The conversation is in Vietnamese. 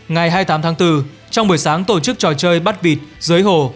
ngày hai mươi tám tháng bốn trong buổi sáng tổ chức trò chơi bắt vịt dưới hồ